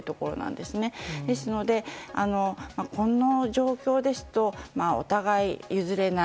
ですので、この状況ですとお互い譲れない。